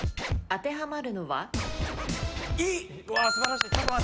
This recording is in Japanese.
当てはまるのは？